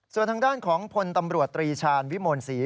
ส่วนทางด้านของพลตำรวจตรีชาญวิมลศรี